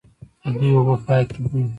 د دوی اوبه پاکې دي.